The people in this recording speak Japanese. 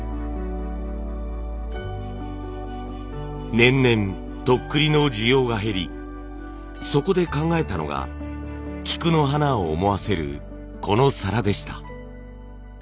年々とっくりの需要が減りそこで考えたのが菊の花を思わせるこの皿でした。